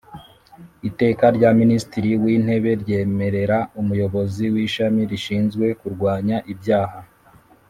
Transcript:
Iteka rya Minisitiri w Intebe ryemerera Umuyobozi w Ishami rishinzwe kurwanya ibyaha